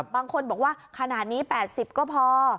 บางคนบอกว่าขนาดนี้๘๐ก็พอ